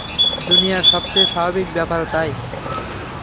দুনিয়ার সবচেয়ে স্বাভাবিক ব্যাপার তাই।